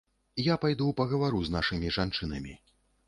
Я пайду пагавару з нашымі жанчынамі.